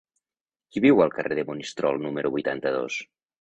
Qui viu al carrer de Monistrol número vuitanta-dos?